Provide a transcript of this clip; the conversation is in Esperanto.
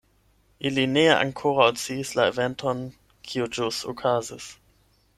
Ili ne ankoraŭ sciis la eventon kiu ĵus okazis.